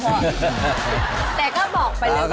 แต่ก็บอกไปแล้วว่า